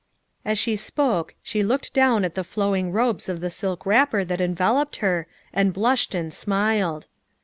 As she spoke, she looked down at the flowing robes of the silk wrapper that enveloped her and blushed and smiled.